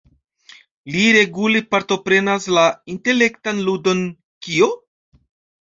Li regule partoprenas la intelektan ludon "Kio?